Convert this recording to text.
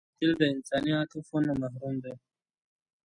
قاتل د انساني عاطفو نه محروم دی